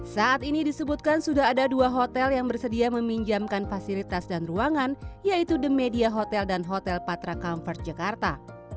saat ini disebutkan sudah ada dua hotel yang bersedia meminjamkan fasilitas dan ruangan yaitu the media hotel dan hotel patra comfort jakarta